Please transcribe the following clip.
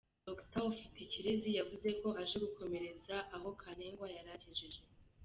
Dr Ufitikirezi yavuze ko aje gukomereza aho Kantengwa yari agejeje.